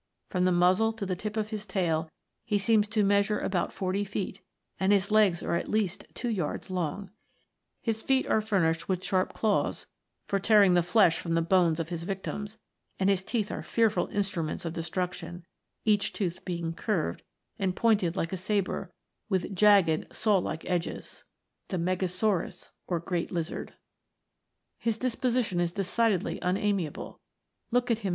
From the muzzle to the tip of his tail he seems to measure about forty feet, and his legs are at least two yards long. His feet are furnished with sharp claws for tearing the flesh from the bones of his victims, and his teeth are fearful instruments of destruction, each tooth being curved, and pointed * The Hylaeosaurus, or Wealden Lizard. THE AGE OF MONSTERS. like a sabre, with jagged saw like edges.* His disposition is decidedly unamiable. Look at him.